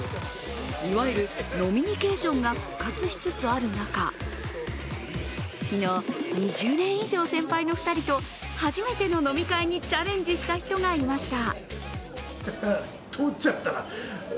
いわゆる飲みニケーションが復活しつつある中昨日、２０年以上先輩の２人と初めての飲み会にチャレンジした人がいました。